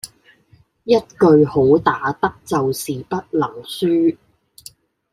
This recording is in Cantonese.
一句好打得就是不能輸